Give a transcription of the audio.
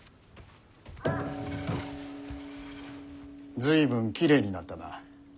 随分きれいになったな。